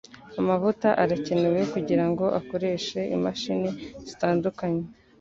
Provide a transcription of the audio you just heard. Amavuta arakenewe kugirango akoreshe imashini zitandukanye